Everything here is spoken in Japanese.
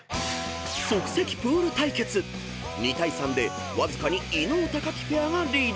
［即席プール対決２対３でわずかに伊野尾・木ペアがリード］